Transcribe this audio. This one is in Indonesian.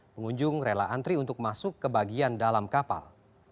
pengunjung rela antri untuk masuk ke bagian dalam kapal